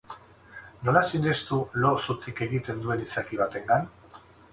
Nola sinestu lo zutik egiten duen izaki batengan?